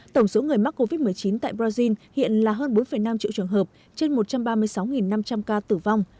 tổng số người mắc covid một mươi chín tại brazil hiện là hơn bốn năm triệu trường hợp trên một trăm ba mươi sáu năm trăm linh ca tử vong